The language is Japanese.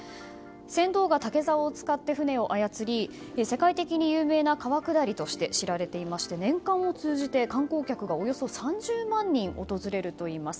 船頭が竹ざおを使って船を操り世界的に有名な川下りとして知られていまして年間を通じて観光客がおよそ３０万人訪れるといいます。